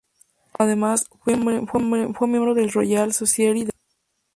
Además, fue miembro de la Royal Society de Londres.